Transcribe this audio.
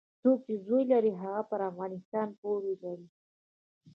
څوک چې زور لري هغه پر افغانستان پور لري.